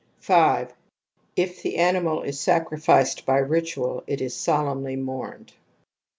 \ 5. If the animal is sacrificed by ritual, it is solemnly mourned.